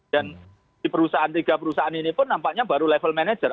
dan di perusahaan tiga perusahaan ini pun nampaknya baru level manager